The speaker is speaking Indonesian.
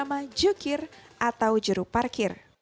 aplikasi yang bernama jukir atau juru parkir